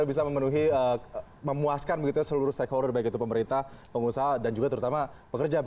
bisa memenuhi memuaskan begitu ya seluruh stakeholder baik itu pemerintah pengusaha dan juga terutama pekerja